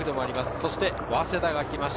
そして早稲田が来ました。